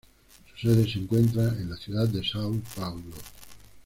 Su sede se encuentra en la ciudad de São Paulo.